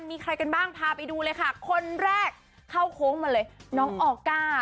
มีใครกันบ้างพาไปดูเลยค่ะคนแรกเข้าโค้งมาเลยน้องออก้า